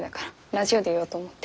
ラジオで言おうと思って。